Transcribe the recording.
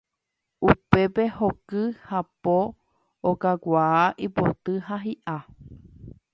Upépe hoky, hapo, okakuaa, ipoty ha hi'a.